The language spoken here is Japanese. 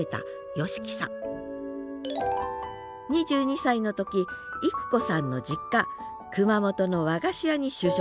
２２歳の時郁子さんの実家熊本の和菓子屋に就職します。